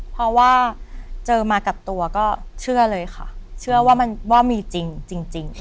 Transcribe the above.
เพราะว่าเจอมากับตัวก็เชื่อเลยค่ะเชื่อว่ามันว่ามีจริง